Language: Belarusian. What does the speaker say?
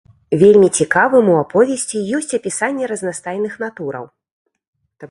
Вельмі цікавым у аповесці ёсць апісанне разнастайных натураў.